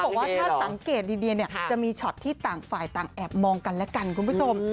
บอกว่าถ้าสังเกตดีเนี่ยจะมีช็อตที่ต่างฝ่ายต่างแอบมองกันและกันคุณผู้ชม